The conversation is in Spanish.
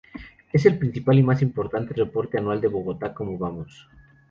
Es el principal y más importante reporte anual de Bogotá Cómo Vamos.